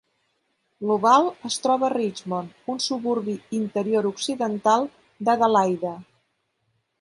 L'Oval es troba a Richmond, un suburbi interior-occidental d'Adelaida.